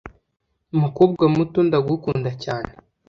Mukobwa muto ndagukunda cyane